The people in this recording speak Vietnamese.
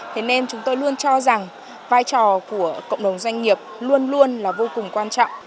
thế nên chúng tôi luôn cho rằng vai trò của cộng đồng doanh nghiệp luôn luôn là vô cùng quan trọng